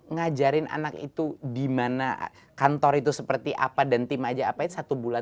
ngajarin anak itu di mana kantor itu seperti apa dan tim aja apa itu satu bulan